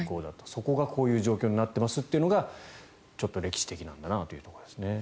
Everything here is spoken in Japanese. そこがこういう状況になっていますというのがちょっと歴史的なんだなというところですね。